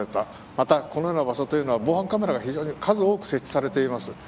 また、このような場所は防犯カメラが数多く設置されています。